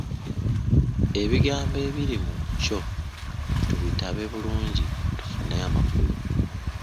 ebigambo ebiri mu kyo tubitabe bulungi tufune amakulu.